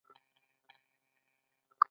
په استبدادي ټولنه کې معرکه ګټلې وای.